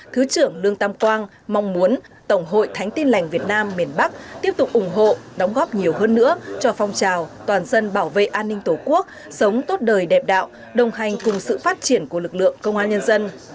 thứ trưởng lương tam quang mong muốn tổng hội thánh tin lành việt nam miền bắc tiếp tục ủng hộ đóng góp nhiều hơn nữa cho phong trào toàn dân bảo vệ an ninh tổ quốc sống tốt đời đẹp đạo đồng hành cùng sự phát triển của lực lượng công an nhân dân